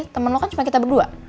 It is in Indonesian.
temen lo kan cuma kita berdua